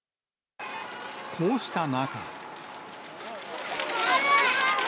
こうした中。